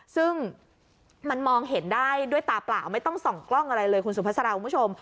ซึ่งมันมองเห็นได้ด้วยตาเปล่าไม่ต้องส่องกล้องอะไรเลยคุณสุภาษาคุณผู้ชม